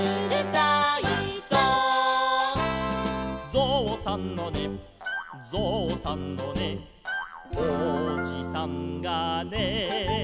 「ぞうさんのねぞうさんのねおじさんがね」